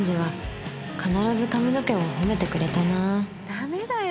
ダメだよ！